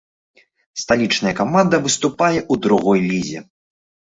Сталічная каманда выступае ў другой лізе.